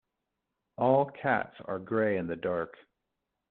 All cats are grey in the dark.